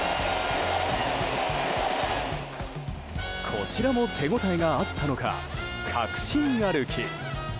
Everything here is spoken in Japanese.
こちらも手応えがあったのか確信歩き。